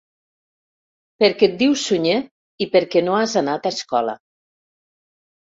Perquè et dius Sunyer i perquè no has anat a escola.